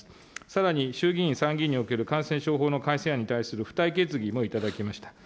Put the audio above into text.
さらに、衆議院、参議院における感染症法の改正案に対する付帯決議を頂きました。